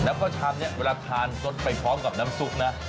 แล้วก็ชามนี้เวลาทานสดไปพร้อมกับน้ำซุปนะ